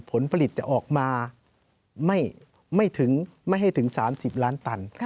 ผลผลิตจะออกมาไม่ให้ถึง๓๐ล้านตัน